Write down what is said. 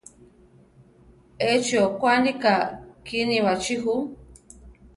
Échi okwaníka kíni baʼchí ju.